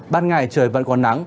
ban ngày trời vẫn còn nắng